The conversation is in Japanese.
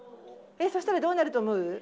そうしたらどうなると思う？